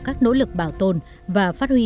các nỗ lực bảo tồn và phát huy